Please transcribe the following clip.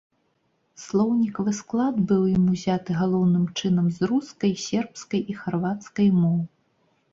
Слоўнікавы склад быў ім узяты галоўным чынам з рускай, сербскай і харвацкай моў.